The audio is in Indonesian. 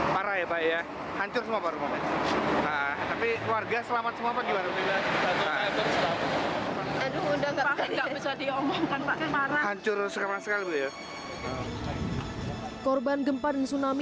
korban gempa dan tsunami di palu sulawesi tengah